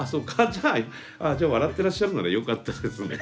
じゃあ笑ってらっしゃるならよかったですね。